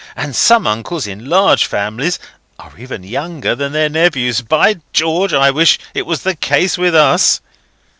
And some uncles, in large families, are even younger than their nephews. By George, I wish it was the case with us!"